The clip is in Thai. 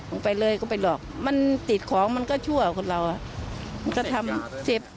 ลงไปเลยก็ไปหลอกมันติดของมันก็ชั่วของเรามันก็ทำเสพ